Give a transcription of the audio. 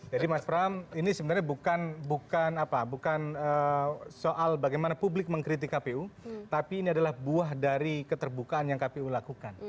jadi mas pram ini sebenarnya bukan soal bagaimana publik mengkritik kpu tapi ini adalah buah dari keterbukaan yang kpu lakukan